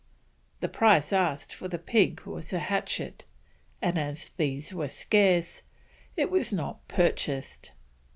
The price asked for the pig was a hatchet, and as these were scarce, it was not purchased.